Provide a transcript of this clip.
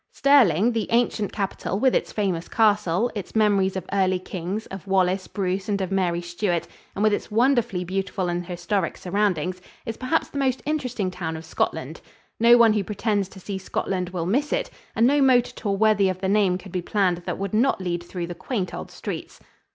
Stirling, the ancient capital, with its famous castle, its memories of early kings, of Wallace, Bruce and of Mary Stuart, and with its wonderfully beautiful and historic surroundings, is perhaps the most interesting town of Scotland. No one who pretends to see Scotland will miss it, and no motor tour worthy of the name could be planned that would not lead through the quaint old streets.